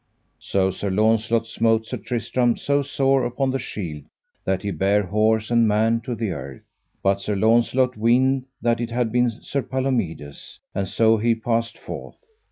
So Sir Launcelot smote Sir Tristram so sore upon the shield that he bare horse and man to the earth; but Sir Launcelot weened that it had been Sir Palomides, and so he passed forth.